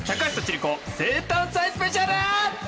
スペシャル！